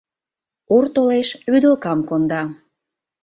Ур толеш, вӱдылкам конда.